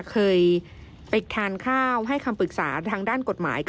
เคยไปทานข้าวให้คำปรึกษาทางด้านกฎหมาย